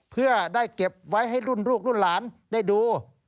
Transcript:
เพื่อได้เก็บไว้ให้รุ่นลูกรุ่นหลานได้ดู